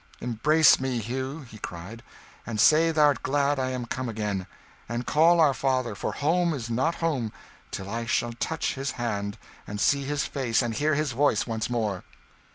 "Embrace me, Hugh," he cried, "and say thou'rt glad I am come again! and call our father, for home is not home till I shall touch his hand, and see his face, and hear his voice once more!"